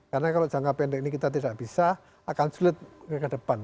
karena kalau jangka pendek ini kita tidak bisa akan sulit ke depan